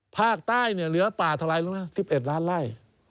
ภาคใต้เนี่ยเหลือป่าเท่าไรรู้ไหม๑๑ล้านไล่